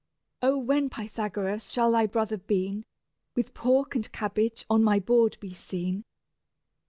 O when, Pythagoras, shall thy brother bean, With pork and cabbage, on my board be seen?